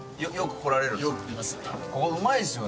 これうまいですね。